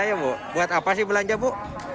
ngantri belanja ya bu buat apa sih belanja bu